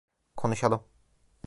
Konuşalım.